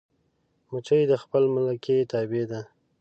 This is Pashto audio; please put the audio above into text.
مچمچۍ د خپلې ملکې تابع ده